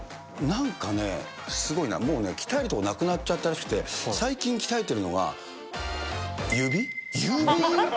なんかね、すごいな、もう鍛える所がなくなっちゃったらしくて、最近、鍛えているのは指？